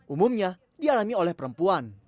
umumnya dialami oleh perempuan